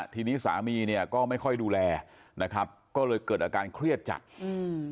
ทีนี้สามีเนี่ยก็ไม่ค่อยดูแลนะครับก็เลยเกิดอาการเครียดจัดอืม